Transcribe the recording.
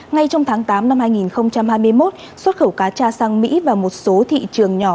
ngay trong tháng tám năm hai nghìn hai mươi một xuất khẩu cá tra sang mỹ và một số thị trường nhỏ